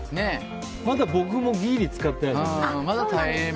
まだ僕もギリ使ってないです。